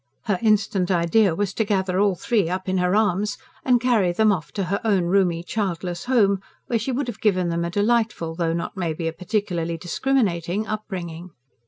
Her instant idea was to gather all three up in her arms and carry them off to her own roomy, childless home, where she would have given them a delightful, though not maybe a particularly discriminating upbringing.